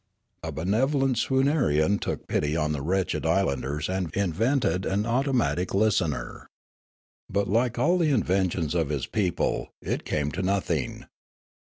A benevolent Swoonarian took pity on the wretched islanders and invented an automatic listener. But, like 246 Riallaro all the inventions of his people, it came to nothing.